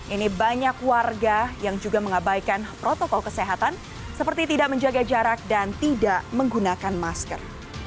ini banyak warga yang juga mengabaikan protokol kesehatan seperti tidak menjaga jarak dan tidak menggunakan masker